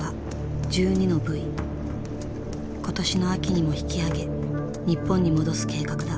今年の秋にも引き上げ日本に戻す計画だ。